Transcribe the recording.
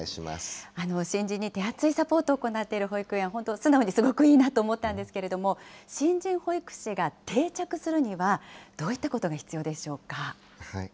新人に手厚いサポートを行っている保育園、本当、素直にすごくいいなと思ったんですけれども、新人保育士が定着するには、どういったことが必要でしょうか。